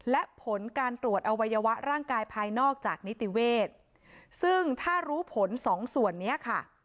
และผลการตรวจอวัยวะร่างกายภายนอกจากนิติเวศซึ่งถ้ารู้ผลสองส่วนนี้ค่ะ